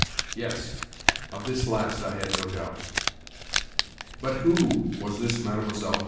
Yes, of this last I had no doubt. But who was this Mlle.